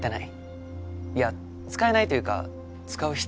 いや使えないというか使う必要がないんだよ。